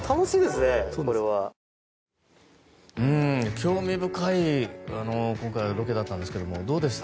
興味深いロケだったんですけどどうでした？